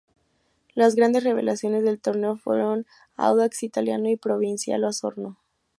Las grandes revelaciones del torneo fueron Audax Italiano y Provincial Osorno.